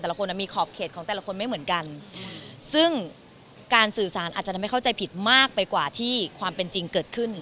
ละคนมีขอบเขตของแต่ละคนไม่เหมือนกันซึ่งการสื่อสารอาจจะทำให้เข้าใจผิดมากไปกว่าที่ความเป็นจริงเกิดขึ้น